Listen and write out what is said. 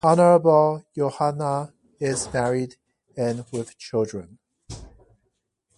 Honourable Yohanna is married and with children.